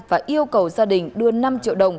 và yêu cầu gia đình đưa năm triệu đồng